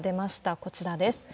こちらです。